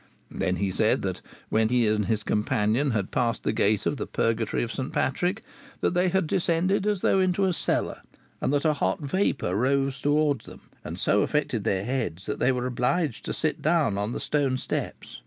Then he said that when he and his companion had passed the gate of the Purgatory of St. Patrick, that they had descended as though into a cellar, and that a hot vapor rose towards them and so affected their heads that they were obliged to sit down on the stone steps.